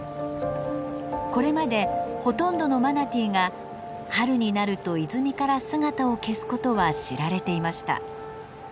これまでほとんどのマナティーが春になると泉から姿を消すことは知られていました。